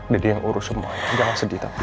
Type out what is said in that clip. dedi yang urus semuanya jangan sedih tapi